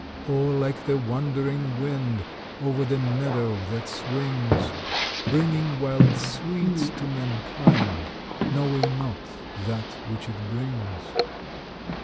Or, like the wandering wind, Over the meadow that swings, Bringing wild sweets to mankind, Knowing not that which it brings.